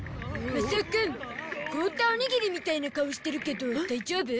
マサオくん。凍ったおにぎりみたいな顔してるけど大丈夫？